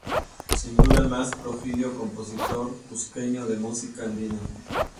Sin duda el más prolífico compositor cusqueño de música andina.